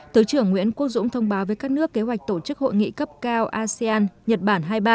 thứ trưởng nguyễn quốc dũng thông báo với các nước kế hoạch tổ chức hội nghị cấp cao asean nhật bản hai mươi ba